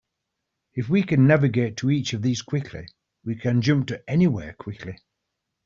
If we can navigate to each of these quickly, we can jump to anywhere quickly.